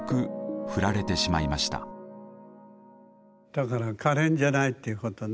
だから可憐じゃないっていうことね。